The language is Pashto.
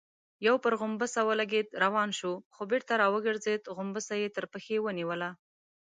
يو پر غومبسه ولګېد، روان شو، خو بېرته راوګرځېد، غومبسه يې تر پښې ونيوله.